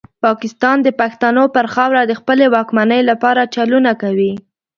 پاکستان د پښتنو پر خاوره د خپلې واکمنۍ لپاره چلونه کوي.